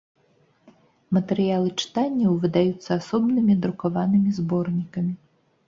Матэрыялы чытанняў выдаюцца асобнымі друкаванымі зборнікамі.